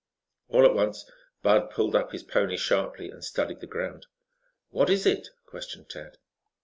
All at once Bud pulled up his pony sharply and studied the ground. "What is it?" questioned Tad.